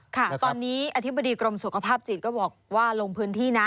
ค่ะตอนนี้อธิบดีกรมสุขภาพจิตก็บอกว่าลงพื้นที่นะ